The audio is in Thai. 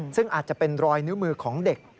ซึ่งอาจจะเป็นรอยนิ้วมือของเด็ก